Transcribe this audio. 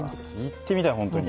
行ってみたいほんとに。